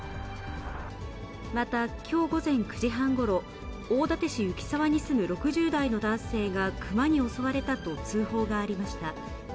またきょう午前９時半ごろ、大館市雪沢に住む６０代の男性が熊に襲われたと通報がありました。